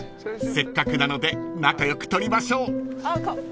［せっかくなので仲良く撮りましょう］